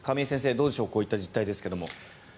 どうでしょうこういった実態ですが。